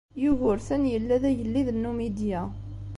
Yugurten yella d agellid n Numidya.